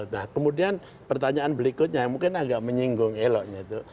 nah kemudian pertanyaan berikutnya yang mungkin agak menyinggung eloknya itu